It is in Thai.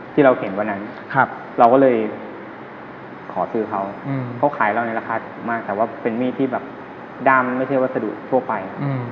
ที่เราเห็นวันนั้นเราก็เลยขอซื้อเขาเขาขายเราในราคาถูกมากแต่ว่าเป็นมีดที่แบบด้ามไม่ใช่วัสดุทั่วไป